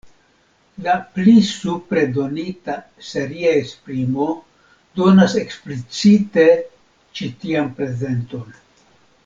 La pli supre donita seria esprimo donas eksplicite ĉi tian prezenton.